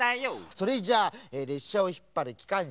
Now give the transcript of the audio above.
それじゃあれっしゃをひっぱるきかんしゃはこれ。